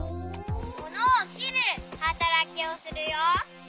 ものをきるはたらきをするよ。